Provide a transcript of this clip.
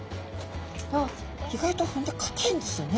意外と骨かたいんですよね